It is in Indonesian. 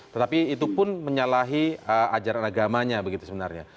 tetapi itu pun menyalahi ajaran agamanya begitu sebenarnya